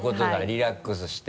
リラックスして。